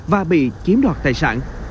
và bị chiếm đoạt tài sản